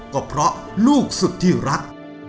ก็เพราะลูกสุดที่รัก